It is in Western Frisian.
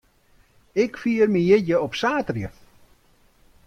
Ik fier myn jierdei op saterdei.